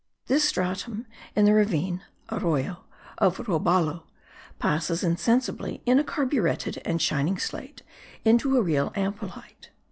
This stratum, in the ravine (aroyo) of Robalo, passes insensibly in a carburetted and shining slate, into a real ampelite.